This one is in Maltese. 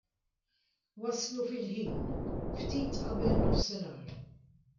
Waslu fil-ħin, ftit qabel nofsinhar.